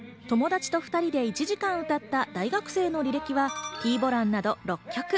友達と２人で１時間歌った大学生の履歴はＴーＢＯＬＡＮなど６曲。